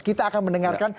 kita akan mendengarkan